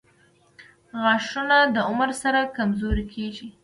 • غاښونه د عمر سره کمزوري کیږي.